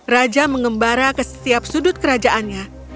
raja mengembara ke setiap sudut kerajaannya